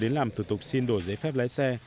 đến làm thủ tục xin đổi giấy phép lái xe